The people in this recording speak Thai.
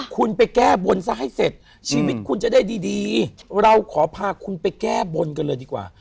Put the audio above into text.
คุณไปแก้บนซะให้เสร็จชีวิตคุณจะได้ดีเราขอพาคุณไปแก้บนกันเลยดีกว่า